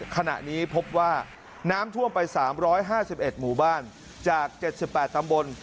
ขณะนี้พบว่าน้ำท่วมไป๓๕๑หมู่บ้านจาก๗๘ตำบล